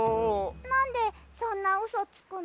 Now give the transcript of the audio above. なんでそんなうそつくの？